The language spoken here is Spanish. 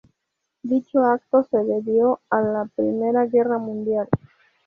Dicho acto se debió a la I Guerra Mundial.